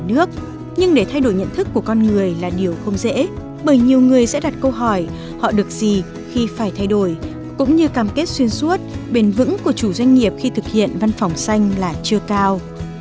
nhưng để thay đổi nhận thức của con người là điều không dễ bởi nhiều người sẽ đặt câu hỏi họ được gì khi phải thay đổi cũng như cam kết xuyên suốt bền vững của chủ doanh nghiệp khi thực hiện văn phòng xanh là chưa cao